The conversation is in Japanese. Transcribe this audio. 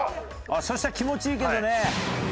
そしたら気持ちいいけどね。